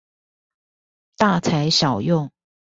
大材小用